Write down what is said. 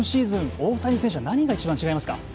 大谷選手は何がいちばん違いますか。